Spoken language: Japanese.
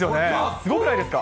すごくないですか？